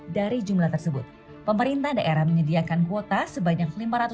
dari jumlah tersebut pemerintah daerah menyediakan kuota sebanyak lima ratus enam dua ratus empat puluh tujuh